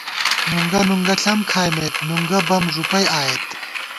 نُنگہ نُنگہ ݪم کھائیمېت نُنگہ بَم ݫُپی آئیت